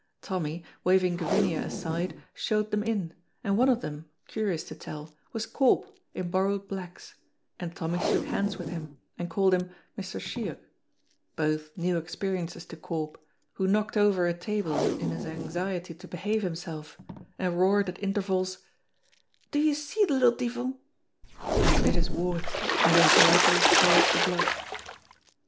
Tommy, waving Gavinia aside, showed them in, and one of them, curious to tell, was Corp, in borrowed blacks, and Tommy shook hands with him and called him Mr. Shiach, both new experiences to Corp, who knocked over a table in his anxiety to behave himself, and roared at intervals "Do you see the little deevil!" and bit his warts and then politely swallowed the blood.